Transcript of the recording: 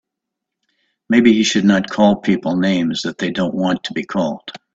Maybe he should not call people names that they don't want to be called.